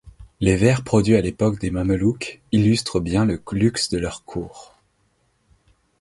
Les verres produits à l'époque des Mamelouks illustrent bien le luxe de leur cour.